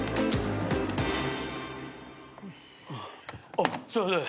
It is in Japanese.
あっすいません。